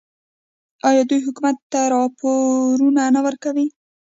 آیا دوی حکومت ته راپورونه نه ورکوي؟